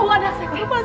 ini adalah saat noises